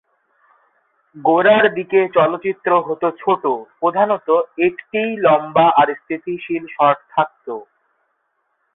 গোড়ার দিকে চলচ্চিত্র হত ছোট, প্রধানত একটিই লম্বা আর স্থিতিশীল শট থাকত।